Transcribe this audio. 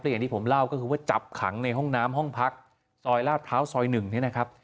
อย่างที่ผมเล่าก็คือว่าจับขังในห้องน้ำห้องพักซอยลาดพร้าวซอย๑เนี่ยนะครับ